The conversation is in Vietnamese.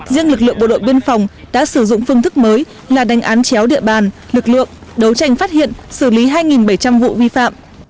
riêng lực lượng bộ đội biên phòng đã sử dụng phương thức mới là đánh án chéo địa bàn lực lượng đấu tranh phát hiện xử lý hai bảy trăm linh vụ vi phạm